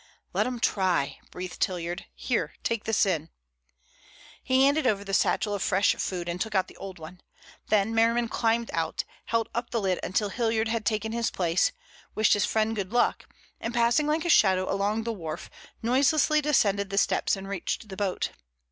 "Let them try," breathed Hilliard. "Here, take this in." He handed over the satchel of fresh food and took out the old one. Then Merriman climbed out, held up the lid until Hilliard had taken his place, wished his friend good luck, and passing like a shadow along the wharf, noiselessly descended the steps and reached the boat.